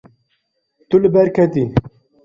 Tu li ber ketî.